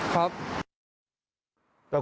รับโทษได้ครับ